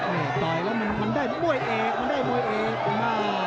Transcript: ต่อยแล้วมันได้มวยเอก